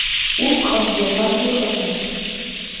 Усҟангьы абас иҟазма?!